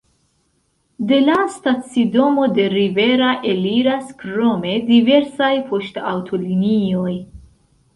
De la stacidomo de Rivera eliras krome diversaj poŝtaŭtolinioj.